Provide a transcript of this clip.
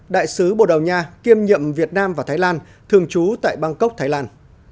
đại sứ bồ đào nha kiêm nhậm việt nam và thái lan thường trú tại bangkok thái lan